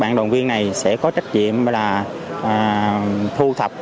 các đồng viên này sẽ có trách nhiệm thu thập